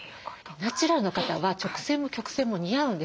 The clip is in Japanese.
ナチュラルの方は直線も曲線も似合うんです。